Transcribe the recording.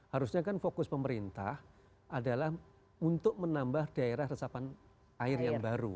harusnya kan fokus pemerintah adalah untuk menambah daerah resapan air yang baru